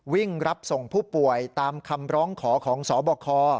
วิ่งรับส่งผู้ป่วยตามคำร้องขอของสบค